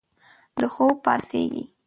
د خوب پاڅیږې